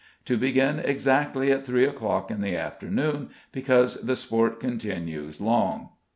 To begin exactly at 3 o'clock in the afternoon, because the sport continues long."